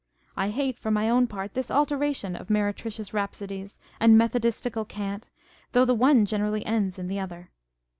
I hate, for my own part, this alternation of meretricious rhap sodies and methodistical cant, though the one generally ends in the other.